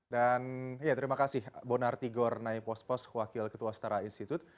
dan terima kasih bonartigor naipospos wakil ketua setara institut